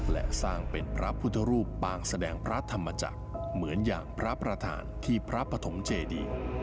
และสร้างเป็นพระพุทธรูปปางแสดงพระธรรมจักรเหมือนอย่างพระประธานที่พระปฐมเจดี